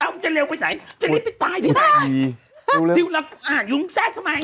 เอ้าจะเร็วไปไหนจะเร็วไปตายทีนี้วิวยูอ่ายุงแซงทำไม